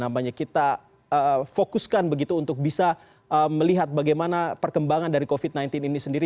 namanya kita fokuskan begitu untuk bisa melihat bagaimana perkembangan dari covid sembilan belas ini sendiri